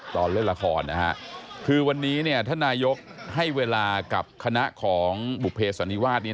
ตอนเล่นละครคือวันนี้ท่านนายกให้เวลากับคณะของบุภเสันนิวาสนี้